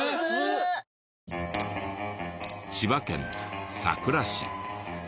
千葉県佐倉市。